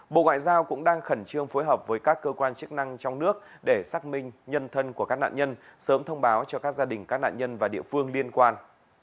bộ ngoại giao cũng đang khẩn trương phối hợp với các cơ quan chức năng trong nước để xác minh nhân thân của các nạn nhân sớm thông báo cho các gia đình các nạn nhân và địa phương liên quan